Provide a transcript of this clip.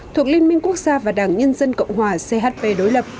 thuộc liên minh quốc gia và đảng nhân dân cộng hòa chp đối lập